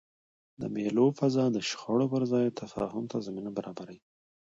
د مېلو فضا د شخړو پر ځای تفاهم ته زمینه برابروي.